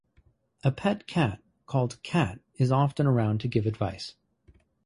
A pet cat called Cat is often around to give advice.